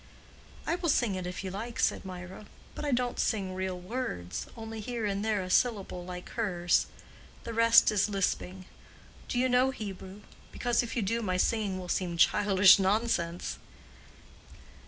"I will sing it if you like," said Mirah, "but I don't sing real words—only here and there a syllable like hers—the rest is lisping. Do you know Hebrew? because if you do, my singing will seem childish nonsense."